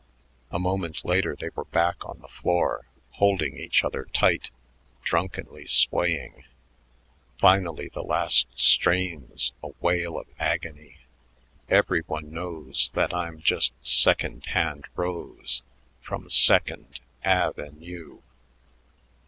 A moment later they were back on the floor, holding each other tight, drunkenly swaying... Finally the last strains, a wall of agony "Ev 'ry one knows that I'm just Sec ond hand Rose from Sec ond Av en ue."